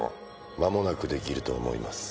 間もなく出来ると思います。